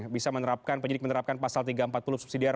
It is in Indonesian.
bisa menerapkan penyidik menerapkan pasal tiga ratus empat puluh subsidiar